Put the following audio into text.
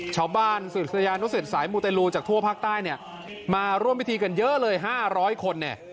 ชาวบ้านศึกษยานุศิษย์สายมูตัยรูจากทั่วภาคใต้มาร่วมพิธีกันเยอะเลย๕๐๐คน